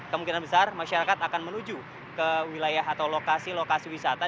kemungkinan besar masyarakat akan menuju ke wilayah atau lokasi lokasi wisata